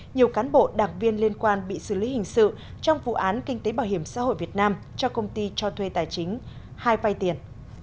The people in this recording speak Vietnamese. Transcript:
nhiều cán bộ đảng viên liên quan bị xử lý hình sự trong vụ án kinh tế bảo hiểm xã hội việt nam cho công ty cho thuê tài chính hai phai tiền